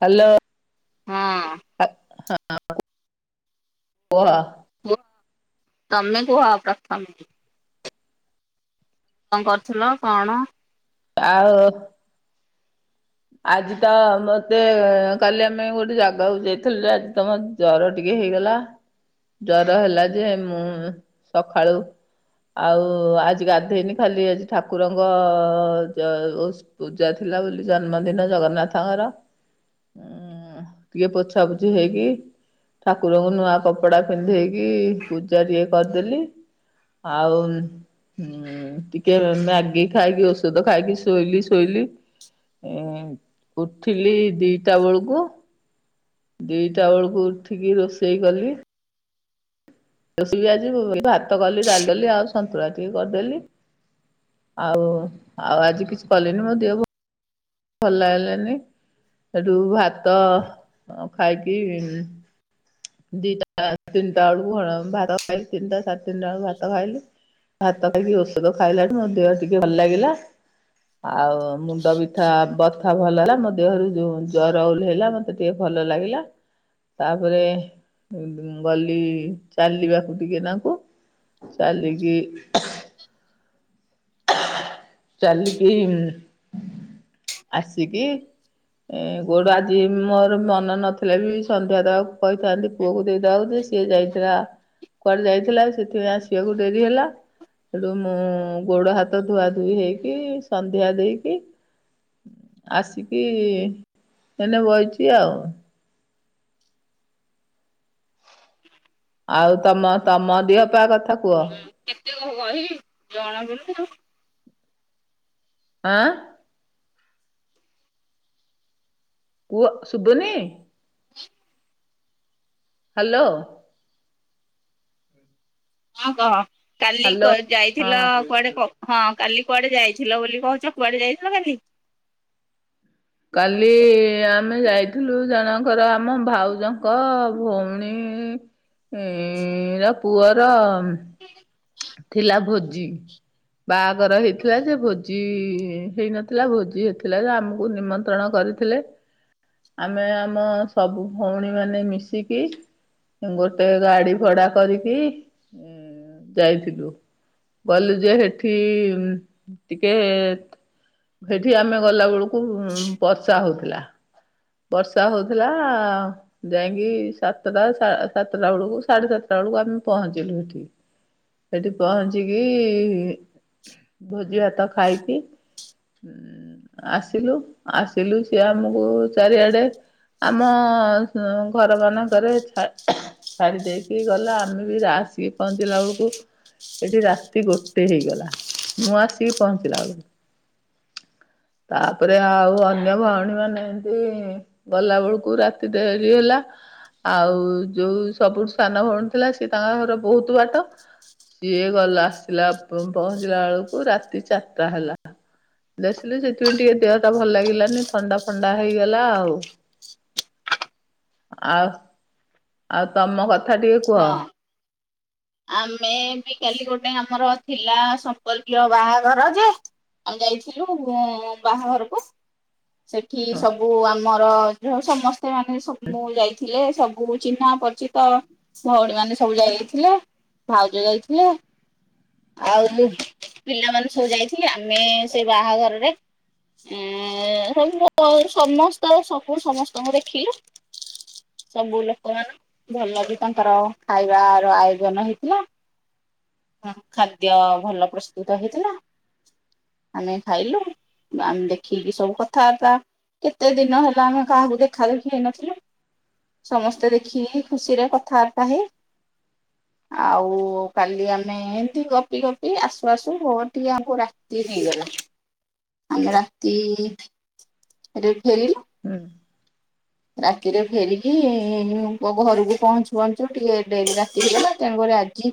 Hello ହଁ [unintelligible] [unintelligible] କଣ କରୁଥିଲ କଣ ଆଉ ଆଜି ତ ମତେ କାଲି ଆମେ ଗୋଟେ ଜାଗାକୁ ଯାଇଥିଲୁ ଆଜି ତମ ଜର ଟିକେ ହେଇଗଲା ଜର ହେଲା ଯେ ମୁଁ ସକାଳୁ ଆଉ ଆଜି ଗାଧେଇନି ଖାଲି ଆଜି ଠାକୁରଙ୍କ ଯ ପୂଜା ଥିଲା ବୋଲି ଜନ୍ମଦିନ ଜଗନ୍ନାଥଙ୍କର ଟିକେ ପୋଛାପୋଛି ହେଇକି। ଠାକୁରଙ୍କୁ ନୂଆ କପଡା ପିନ୍ଧେଇକି ପୂଜା ଟଏ କରିଦେଲି। ଆଉ ହୁଁ ଟିକେ ମ୍ୟାଗି ଖାଇକି ଔଷଧ ଖାଇକି ଶୋଇଲି ଶୋଇଲି ଏ ଉଠିଲି ଦିଟା ବେଳକୁ ଦିଟା ବେଳକୁ ଉଠିକି ରୋଷେଇ କଲି ରୋଷ ବି ଆଜି ଭାତ କଲି ଡାଲିଦଲି ଆଉ ସନ୍ତୁଳା ଟିକେ କରିଦେଲି ଆଉ ଆଉ ଆଜି କିଛି କଲିନି ମୋ ଦେଅ ଭଲ ଲାଗିଲନି ହେଟୁ ଭାତ ଖାଇକି ଦିଟା ତିନିଟା ବେଳକୁ ଭାତ ଖାଇଲି ତିନିଟା ସାତେ ତିନିଟା ବେଳକୁ ଭାତ ଖାଇଲି ଭାତ ଖାଇକି ଔଷଧ ଖାଇଲାଣି ମୋ ଦେହ ଟିକେ ଭଲ ଲାଗିଲା। ଆଉ ମୁଣ୍ଡ ବିିଠା ବଥା ଭଲ ହେଲା ମୋ ଦେହରୁ ଯୋଉ ଜରଉଲ ହେଲା ମତେ ଟିକେ ଭଲ ଭଲ ଲାଗିଲା ତାପରେ ଗଲି ଚାଲିବାକୁ ଟିକେ ତାଙ୍କୁ ଚାଲିକି [inaudible] ଚାଲିକି ଆସିକି ଏ କୋଉଠୁ ଆଜି ମୋର ମନ ନଥିଲେ ବି ସନ୍ଧ୍ୟା ତକୁ କହିଥାନ୍ତି ପୁଅକୁ ଦେଇଦଉ ଯେ ସିଏ ଯାଇଥିଲା କୁଆଡେ ଯାଇଥିଲା ସେଥିପାଇଁ ଆସିବାକୁ ଡେରି ହେଲା ସେଠୁ ମୁଁ ଗୋଡ ହାତ ଧୁଆ ଧୁଇ ହେଇକି ସନ୍ଧ୍ୟା ଦେଇକି ଆସିକି ଏନେ ବହିଛି ଆଉ। ଆଉ ତମ ତମ ଦିହ ପା କଥା କୁହ? ଓ [unintelligible] ଆଁ? କୁହ ଶୁବୁନି? ହାଲୋ। ହଁ କହ କାଲି ହ୍ୟାଲୋ ଯାଇଥିଲ ହଁ କୁଆଡେ ହଁ। କାଲି କୁଆଡେ ଯାଇଥିଲ ବୋଲି କହୁଛ କୁଆଡେ ଯାଇଥିଲ କାଲି? କାଲି ଆମେ ଯାଇଥିଲୁ ଜଣଙ୍କର ଆମ ଭାଉଜଙ୍କ ଭଉଣୀ ଇ ଏ ପୁଅର ଥିଲା ଭୋଜି। ବାହାଘର ହେଇଥିଲା ଯେ ଭୋଜି ହେଇନଥିଲା ଭୋଜି ହେଇଥିଲା ଆମକୁ ନିମନ୍ତ୍ରଣ କରିଥିଲେ। ଆମେ ଆମ ସବୁ ଭଉଣୀ ମାନେ ମିଶିକି ଗୋଟେ ଗାଡି ଭଡା କରିକି ଯାଇଥିଲୁ। ଗଲୁ ଯେ ହେଠି ଟିକେ ସେଠି ଆମେ ଗଲାବେଳକୁ କୁ ବର୍ଷା ହଉଥିଲା। ହ [inaudible] ବର୍ଷା ହଉଥିଲା ଯାଇକି ସାତଟା ସାତଟା ବେଳକୁ ସାଢେ ସାତଟା ବେଳକୁ ଆମେ ପହଞ୍ଚିଲୁ ଏଠି। [inaudible] ସେଠି ପହଞ୍ଚିକି ଭୋଜି ଭାତ ଖାଇକି ଆସିଲୁ ଆସିଲୁ ସିଏ ଆମକୁ ଚାରିଆଡେ। ଆମ ଘର ମାନଙ୍କ ଛାଡି ଦେଇକି ଗଲା ଆମେ ବି ରା ଆସିକି ପହଞ୍ଚିଲା ବେଳକୁ ଏଠି ରାତି ଗୋଟେ ହେଇଗଲା ମୁଁ ଆସିକି ପହଞ୍ଚିଲା ବେଳକୁ। [inaudible] ତାପରେ ଆଉ ଅନ୍ୟ ଭଉଣୀ ମାନେ ଏମିତି ଗଲା ବେଳକୁ ରାତି ଡେରି ହେଲା। ଆଉ ଯୋଉ ସବୁଠୁ ସାନ ଭଉଣୀ ଥିଲା ସିଏ ତାଙ୍କ ଘର ବହୁତ ବାଟ। ସିଏ ଗଲା ଆସିଲା ପହଞ୍ଚିଲା ବେଳକୁ ରାତି ଚାରିଟା ହେଲା। ଦେଖିଲୁ ସେଥିପାଇଁ ଟିକେ ଦେହ ଟା ଭଲ ଲାଗିଲାନି ଥଣ୍ଡା ଫଣ୍ଡା ହେଇଗଲା ଆଉ। ଆଉ ଆଉ ତମ କଥା ଟିକେ କୁହ? ହଁ [inaudible] ଆମେ ବି କାଲି ଗୋଟେ ଆମର ଥିଲା ସମ୍ପର୍କୀୟ ବାହାଘର ଯେ ଆମେ ଯାଇଥିଲୁ ବାହାଘରକୁ। ସେଠି ସବୁ ଆମର ଯ ସମସ୍ତେ ମାନେ ସ ମୁଁ ଯାଇଥିଲେ। ସବୁ ଚିହ୍ନା ପରିଚିତ। ଭଉଣୀ ମାନେ ସବୁ ଯାଇାଇଥିଲେ ଭାଉଜ ଯାଇଥିଲେ। ଆଉ ପିଲାମାନେ ସବୁ ଯାଇଥିଲେ ଆମେ ସେ ବାହାଘରରେ ଏ ସ ସମସ୍ତ ସବୁ ସମସ୍ତଙ୍କୁ ଦେଖିଲି। ସବୁ ଲୋକ ମାନ ଭଲ ବି ତାଙ୍କର ଖାଇବାର ଆୟୋଜନ ହେଇଥିଲା। ଖାଦ୍ୟ ଭଲ ପ୍ରସ୍ତୁତ ହେଇଥିଲା ଆମେ ଖାଇଲୁ। ଆମେ ଦେଖିକି ସବୁ କଥାବାର୍ତ୍ତା କେତେ ଦିନ ହେଲା ଆମେ କାହାକୁ ଦେଖା ଦେଖି ହେଇନଥିଲୁ। ସମସ୍ତେ ଦେଖିକି ଖୁସିରେ କଥାବାର୍ତ୍ତା ହେଇ। ଆଉ କାଲି ଆମେ ଏମିତି ଗପି ଗପି ଆସୁ ଆସୁ ଟିକେ ଆମକୁ ରାତି ହେଇଗଲା। ଆମେ ରାତିରେ ଫେରିଲୁ। ହୁଁ। ରାତିରେ ଫେରିକି ଘରକୁ ପହଞ୍ଚୁ ପଞ୍ଚୁ ଟିକେ ଡେରି ରାତି ହେଇଗଲା ଆଜି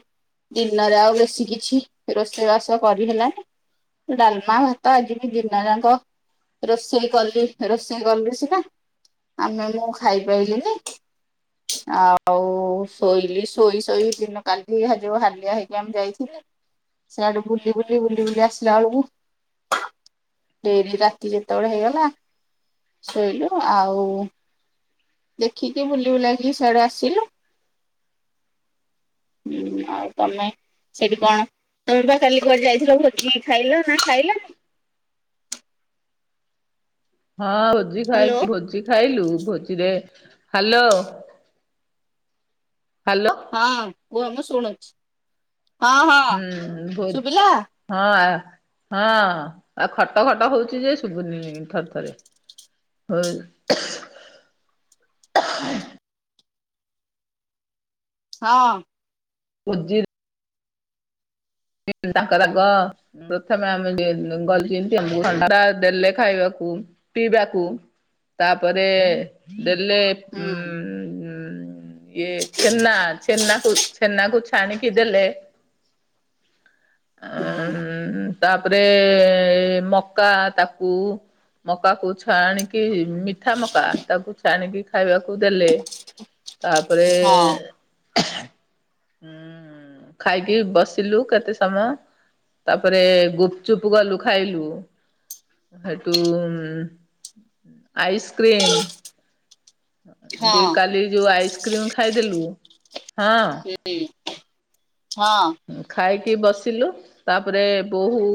ଦିନରେ ଆଉ ବେଶୀ କିଛି ରୋଷେଇବାସ କରିହେଲାଣି ଡଲମା ତ ଆଜି ବି ଜନା ର କ ରୋଷେଇ କଲି, ରୋଷେଇ କଲିି ସେଟା। ଆମେ ମୁଁ ଖାଇପାରିଲିନି। ଆଉ, ଶୋଇଲି ଶୋଇ, ଶୋଇ, ଦିନ କାଲି ଯୋଉ, ହାଲିଆ ହେଇକି ଆମେ ଯାଇଥିଲ। ସିଆଡୁ ବୁଲି ବୁଲି ବୁଲି ବୁଲି ଆସିଲଳୁ। ଡେରି ରାତି ଯେତେବେଳେ ହେଇଗଲା, ଶୋଇଲୁ ଆଉ। ଦେଖିକି, ବୁଲି ବୁଲାକିକି ସଆଡେ ଆସିଲୁ। ହୁଁ ଆଉ ତମେ ସେଠି କଣ? ତମ ପା କାଲି କୁଆଡ଼େ ଯାଇଥିଲ! ଭୋଜି ଖାଇଲ? ନା ଖାଇଲନି? ହଁ ଭୋଜି ଖାଇ ହ୍ୟାଲୋ ଭୋଜି ଖାଇଲୁ ଭୋଜିରେ। ହ୍ୟାଲୋ ହ୍ୟାଲୋ ହଁ ହୁ ଆମଁ ଶୁଣୁଛିୁ ହୁଁ ଭ ହଁ ହଁ ଆଉ ଖଟ ଖଟ ହଉଛି ଯେ ଶୁଭୁନି ଥରେ ଥରେ ହଉ ହଁ ମଜିଦ [unintelligible] ତାଙ୍କରଗ ପ୍ରଥମେ ଆମେ ଗଲିତି ଆମକୁ ଣ୍ଡା ଦେଲେ ଖାଇବାକୁ ପିଇବାକୁ ତାପରେ ଦେଲେ ହୁଁ ଇଏ ଛେନା ଛେନାକୁ ଛେନାକୁ ଛାଣିକି ଦେଲେ ହୁଁ ହ ତାପରେ ମକା ତାକୁ ମକାକୁ ଛାଣିକି ମିଠା ମକା ତାକୁ ଛାଣିକି ଖାଇବାକୁ ଦେଲେ ତାପରେ ହଁ ହୁଁ ଖାଇକି ବସ୍ ିଲୁ କେତେ ସମୟ ତାପରେ ଗୁପଚୁପ ଗଲୁ ଖାଇଲୁ ସେଠୁ ଆଇସ୍କ୍ରିମ ଏତି ହଁ କାଲି ଯୋଉ ଆଇସ୍କ୍ରିମ ଖାଇଦେଲୁ ହଁ ଛଅ ଖାଇକି ବସିଲୁ ତାପରେ ବୋହୂ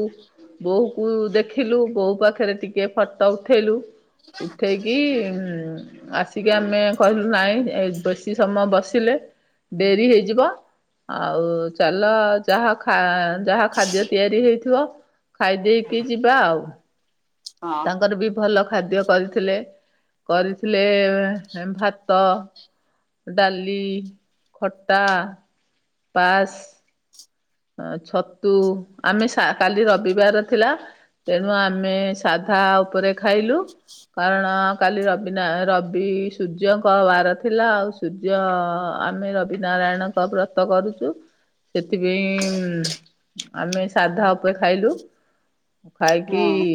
ବୋହୂ କ ଦେଖିଲୁ ବୋହୂ ପାଖରେ ଟିକେ ଫଟ ଉଠେଇଲୁ ଉଠେଇକି ଆସିକି ଆମେ କହିଲୁ ନାଇଁ ଏ ବେଶୀ ସମୟ ବସିଲେ ଡେରି ହେଇଯିବ ଆଉ ଚାଲ ଯାହା ଯାହା ଖାଦ୍ୟ ତିଆରି ହେଇଥିବ ଖାଇ ଦେଇେଇକି ଯିବା ଆଉ ହଁ ତାଙ୍କର ବି ଭଲ ଖାଦ୍ୟ କରିଥିଲେ କରିଥିଲେ ଭାତ ଡାଲି ଖଟା ପାସ୍ ଛତୁ ଆମେ କାଲି ରବିବାର ଥିଲା ତେଣୁ ଆମେ ସାଧା ଉପରେ ଖାଇଲୁ କାରଣ କାଲି ରବି ନା ରବି ସୂର୍ଯ୍ୟଙ୍କ ବାର ଥିଲା ଆଉ ସୂର୍ଯ୍ୟ ଆମେ ରବି ନାରାୟଣଙ୍କ ବ୍ରତ କରୁଛୁ ସେଥିପ ଆମେ ସାଧା ଉପରେ ଖାଇଲୁ ଖାଇକି ହଁ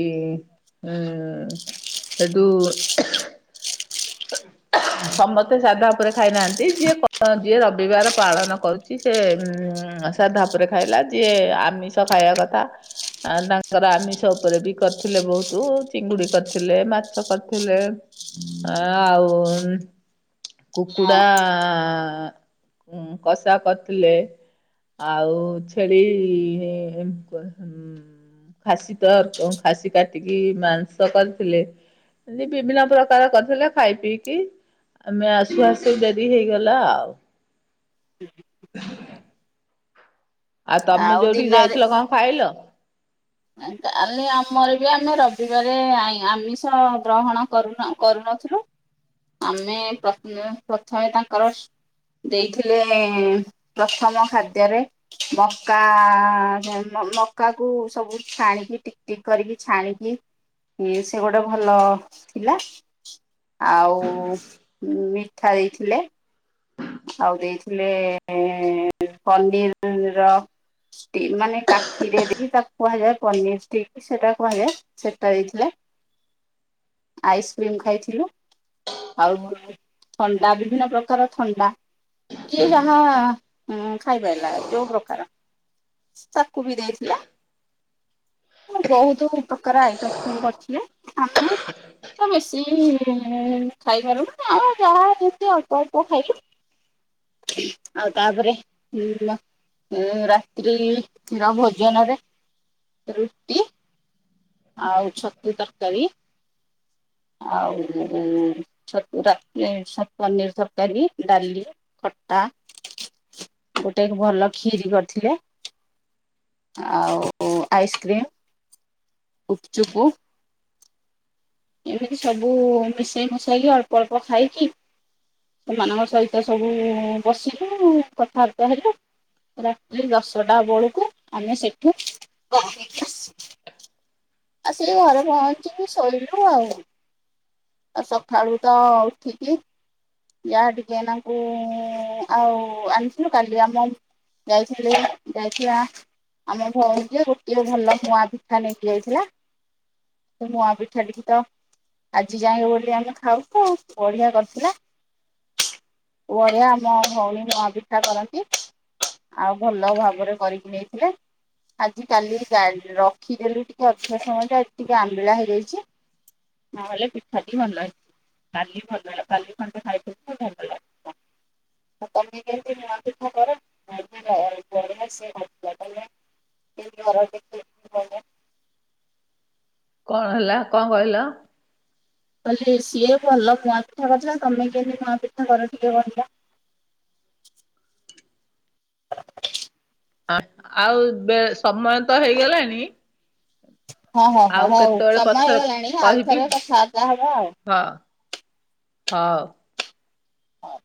ଉ ସେଟୁ [inaudible] ସମସ୍ତେ ସାଧା ଉପରେ ଖାଇନାହାନ୍ତି ଯିଏ ଯିଏ ରବିବାର ପାଳନ କରୁଛି ସେ ସଧା ଉପରେ ଖାଇଲା ଯିଏ ଆମିଷ ଖାଇବା କଥା ଆ ତାଙ୍କର ଆମିଷ ଉପରେ ବି କରିଥିଲେ ବହୁତ ଚିଙ୍ଗୁଡି କରିଥିଲେ ମାଛ କରିଥିଲେ ହଁ ହ ଆଉ ହଁ କୁକୁଡ଼ା କଷା କରିଥିଲେ ଆଉ ଛେଡି। ଖାସି ତର ଖାସି କାଟିକି ମାଂସ କରିଥିଲେ। ଏତି ବିଭିନ୍ନ ପ୍ରକାର କରିଥିଲେ ଖାଇ ପିଇକି। ଆମେ ଆସୁ ଆସୁ ଡେରି ହେଇଗଲା ଆଉ। ଆଉ ତମେ ଯୋଉଠିକି ଯାଇଥିଲ କଣ ଖାଇଲ। ତାହଲେ ଆମର ବି ଆମେ ରବିବାର ଆମିଷ ଗ୍ରହଣ କରୁନୁ। ଆମେ ପ୍ରଥମେ ତାଙ୍କର। ଦେଇଥିଲେ ପ୍ରଥମ ଖାଦ୍ୟରେ ମକା। ମକା କୁ ସବୁ ଛାଣିକି ଟିକ ଟିକ କରିକି ଛାଣିକି। କି ସେ ଗୋଟେ ଭଲ ଥିଲା। ଆଉ ମିଠା ଦେଇଥିଲେ। ଆଉ ଦେଇଥିଲେ ପନିର ର। ମାନେ କାଠିରେ ଦେଇି ତାକୁ କୁହାଯାଏ ପନିର ଟ ସେଟା କୁହାଯାଏ ସେଟା ଦେଇଥିଲା। [unintelligible] ଆଇସ୍କ୍ରିମ ଖାଇଥିଲୁ ଆଉ ଥଣ୍ଡା ବିଭିନ୍ନ ପ୍ରକାର। ଥଣ୍ଡା ଯଏ ଯାହା ଖାଇ ପାରିଲା ଯୋଉ ପ୍ରକାର। ତାକୁ ବି ଦେଇଥିଲା। ବହୁତ ପ୍ରକାର ଆଇଟମ ସବୁ ଅଛି ଆମେ। ତ ବେଶୀ ଖାଇପାରୁନ ଆଉ ଯାହା ଅ। ଖାଇ ଆଉ ତାପରେ। ଉ ରାତ୍ରି ର ଭୋଜନରେ ରୁଟି। ଆଉ ଛତୁ ତରକାରୀ। ଆଉ ଛଟୁର ପନିର ତରକାରୀ ଡାଲି ଖଟା। ଗୋଟେ ଭଲ କ୍ଷିରି କରିିବଥିଲେ। ଆଉ ଆଇସ୍କ୍ରିମ। ଗୁପ ଚୁପୁ। ଏମିତି ସବୁ ମିଶେଇ ମସେଇକି ଅଳ୍ପ ଅଳ୍ପ ଖାଇକି। ସେମାନଙ୍କ ସହିତ ସବୁ ବସିବୁ କଥାବାର୍ତ୍ତା ହେବୁ। ରାତିି ଦଶଟା ବେଳକୁ ଆମେ ସେଠୁ ଆସ। ଆସିକି ଘରେ ପହଞ୍ଚିକି ଶୋଇଲୁ ଆଉ। ଆଉ ସକାଳୁ ତ ଉଠିକି। ୟା ଟିକେନାଙ୍କୁ ଆଉ ଆଣିୁ କାଲି ଆମ। ଯାଇଥିଲ ଯାଇଛଆ। ଆମ ଭଉଣୀଟିଏ ଗୋଟିଏ ଭଲ କୂଆଁ ପିଠା ନେଇକି ଯାଇଥିଲା। ତ ମୁଁ ଆପି ଛଡି ତା। ଆଜି ଯାଇକ ବୋଲି ଆମେ ଖାଉଛୁ ବଢିଆ କରିଥିଲା। ଓଳିଆ ଆମ ଭଉଣୀ ମପିଠା କରନ୍ତି। ଆଉ ଭଲ ଭାବରେ କରିକି ନେଇଥିଲେ। ଆଜି କାଲି ରଖିଦେଲୁ ଟିକେ ଅଧା ସମୟରେ ଟିକେ ଆମ୍ବିଳା ହେଇଯାଇଛି। ନହେଲେ ପିଠାଟି ଭଲ ହେଇଛି କାଲି ଭଲ ହେ କାଲି ଖଣ୍ଡେ ଖାଇ। ବ ଭଲ ଲାଗେ।। ମେ କେମ ନିପେକ୍ଷା କରି। ର। କଣ ହେଲା କଣ କହିଲ। କହେ ସିଏ ଭଲ ନୂଆ ପିଠା କରିଥିଲା ତମେ କେମତି ନୂଆ ପିଠା କର ଟିକେ କହ। [unintelligible] ଆଉ ସମୟ ତ ହେଇଗଲାଣି। ହଁ ହଁ ହଁ ଆଉ ହଉ କେତେବେଳେ ସମୟ ପଛରେ ହେଇଗଲାଣି ଆଉ କହିବି ଥରେ କଥାବାର୍ତ୍ତା ହବ ଆଉ। ହଁ। ହଁ।